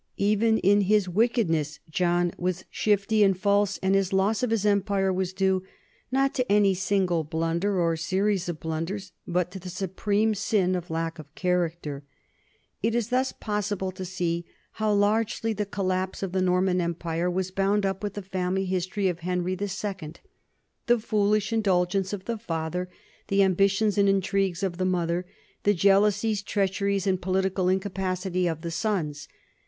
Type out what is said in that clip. Even in his wicked ness John was shifty and false, and his loss of his empire was due, not to any single blunder or series of blunders, but to the supreme sin of lack of character. It is thus possible to see how largely the collapse of the Norman empire was bound up with the family history of Henry II the foolish indulgence of the father, the ambitions and intrigues of the mother, the jealousies, treachery, and political incapacity of the sons.